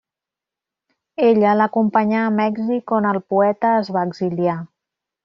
Ella l'acompanyà a Mèxic on el poeta es va exiliar.